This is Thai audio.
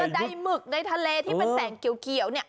ใดหมึกในทะเลที่เป็นแสงเขียวเนี่ย